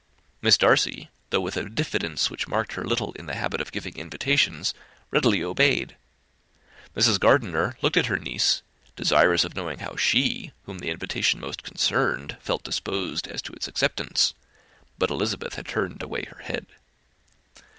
Miss Darcy, though with a diffidence which marked her little in the habit of giving invitations, readily obeyed. Mrs. Gardiner looked at her niece, desirous of knowing how she, whom the invitation most concerned, felt disposed as to its acceptance, but Elizabeth had turned away her head.